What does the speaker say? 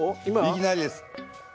いきなりです。